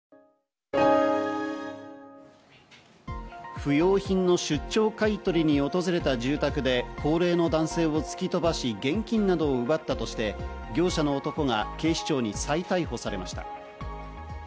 不用品の出張買い取りに訪れた住宅で、高齢の男性を突き飛ばし現金などを奪ったとして業者の男が警視庁に再逮捕されました。